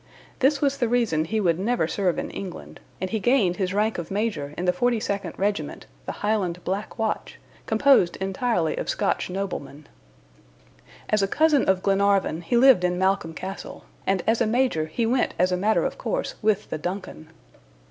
This was the reason he would never serve in England, and he gained his rank of Major in the 42nd regiment, the Highland Black Watch, composed entirely of Scotch noblemen. As a cousin of Glenarvan, he lived in Malcolm Castle, and as a major he went as a matter of course with the DUNCAN.